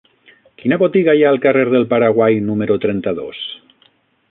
Quina botiga hi ha al carrer del Paraguai número trenta-dos?